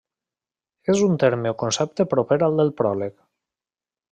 És un terme o concepte proper al de pròleg.